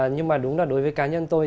nhưng mà đúng là đối với cá nhân tôi